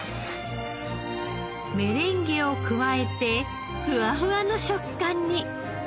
メレンゲを加えてふわふわの食感に。